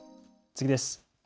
次です。